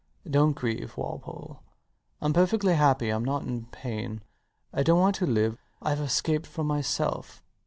Don't grieve, Walpole. I'm perfectly happy. I'm not in pain. I don't want to live. Ive escaped from myself.